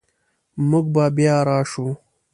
موږ به بیا راشو